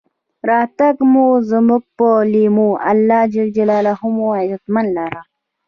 راتګ مو زمونږ پۀ لېمو، الله ج مو عزتمن لره.